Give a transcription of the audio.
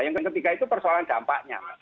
yang ketiga itu persoalan dampaknya